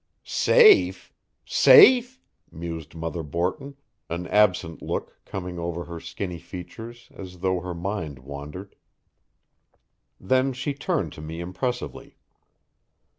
"Safe safe?" mused Mother Borton, an absent look coming over her skinny features, as though her mind wandered. Then she turned to me impressively.